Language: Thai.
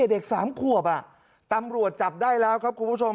เด็ก๓ขวบตำรวจจับได้แล้วครับคุณผู้ชม